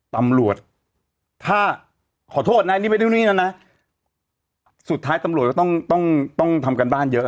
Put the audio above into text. ตำรวจถ้าขอโทษนะนี่ไม่ได้นู่นนี่นั่นนะสุดท้ายตำรวจก็ต้องต้องต้องทำการบ้านเยอะ